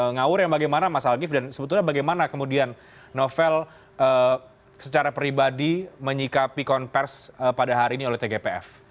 ngawur yang bagaimana mas algif dan sebetulnya bagaimana kemudian novel secara pribadi menyikapi konversi pada hari ini oleh tgpf